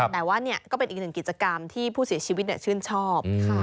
แต่ว่านี่ก็เป็นอีกหนึ่งกิจกรรมที่ผู้เสียชีวิตชื่นชอบ